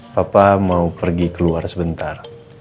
papa mau pergi keluar sebentar